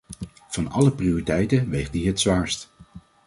Van alle prioriteiten weegt die het zwaarst.